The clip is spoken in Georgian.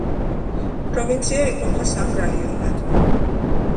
პროვინცია იყოფა სამ რაიონად.